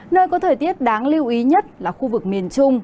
nơi có thời tiết đáng lưu ý nhất là khu vực miền trung